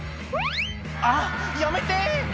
「あっやめて！」